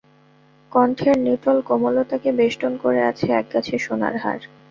কণ্ঠের নিটোল কোমলতাকে বেষ্টন করে আছে একগাছি সোনার হার।